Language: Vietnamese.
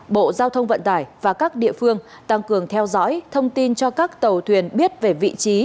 bộ giao thông vận tải và các địa phương tăng cường theo dõi thông tin cho các tàu thuyền biết về vị trí